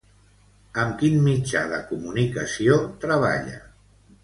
Amb quin mitjà de comunicació treballa?